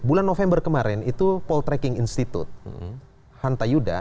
bulan november kemarin itu paul tracking institute hanta yuda